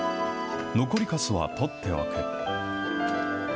残りかすは取っておく。